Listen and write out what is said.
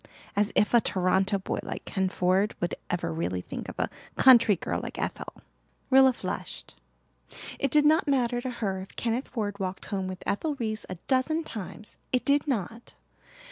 As if a Toronto boy like Ken Ford would ever really think of a country girl like Ethel!" Rilla flushed. It did not matter to her if Kenneth Ford walked home with Ethel Reese a dozen times it did not!